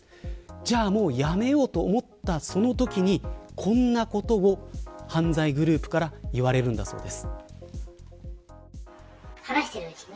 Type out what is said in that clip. じゃあ、もうやめようと思ったそのときにこんなことを犯罪グループから言われるんだそうです。